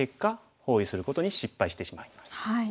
包囲することに失敗してしまいました。